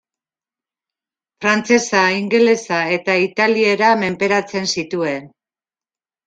Frantsesa, ingelesa eta italiera menperatzen zituen.